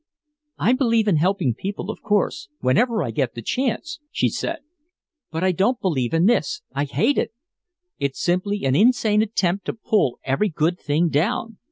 "I believe in helping people of course whenever I get a chance," she said. "But I don't believe in this I hate it! It's simply an insane attempt to pull every good thing down!